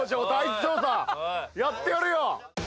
やってやるよ。